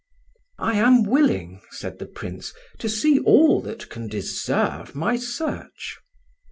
"I am willing," said the Prince, "to see all that can deserve my search."